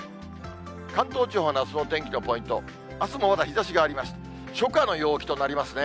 関東地方のあすのお天気のポイント、あすもまだ日ざしがありまして、初夏の陽気となりますね。